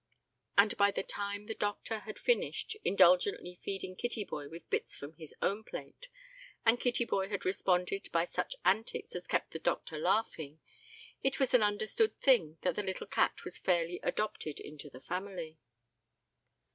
And by the time the doctor had finished, indulgently feeding Kittyboy with bits from his own plate, and Kittyboy had responded by such antics as kept the doctor laughing, it was an understood thing that the little cat was fairly adopted into the family.